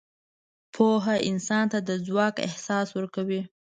پوهه انسان ته د ځواک احساس ورکوي.